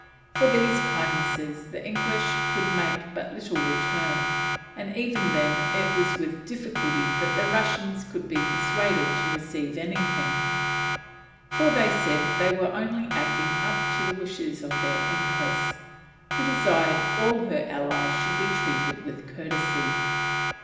For these kindnesses the English could make but little return, and even then it was with difficulty that the Russians could be persuaded to receive anything, for they said they were only acting up to the wishes of their Empress, who desired all her allies should be treated with courtesy.